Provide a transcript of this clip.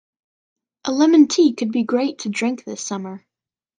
A lemon tea could be great to drink this summer.